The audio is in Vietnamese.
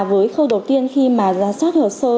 với khâu đầu tiên khi mà ra soát hồ sơ